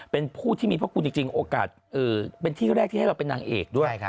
เป็นผู้ที่มีพระคุณจริงโอกาสเป็นที่แรกที่ให้เราเป็นนางเอกด้วย